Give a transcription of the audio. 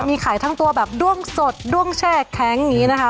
มีขายทั้งตัวแบบด้วงสดด้วงแช่แข็งอย่างนี้นะคะ